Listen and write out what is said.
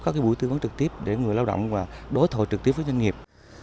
có cái buổi tư vấn trực tiếp để người lao động đối thủ trực tiếp với doanh nghiệp